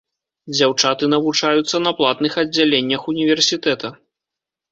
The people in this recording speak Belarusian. Дзяўчаты навучаюцца на платных аддзяленнях універсітэта.